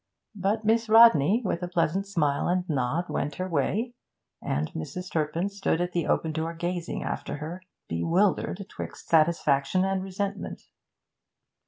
But Miss Rodney, with a pleasant smile and nod, went her way, and Mrs. Turpin stood at the open door gazing after her, bewildered 'twixt satisfaction and resentment.